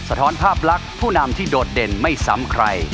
ท้อนภาพลักษณ์ผู้นำที่โดดเด่นไม่ซ้ำใคร